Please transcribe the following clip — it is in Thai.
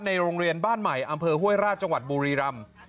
โรงเรียนบ้านใหม่อำเภอห้วยราชจังหวัดบุรีรำ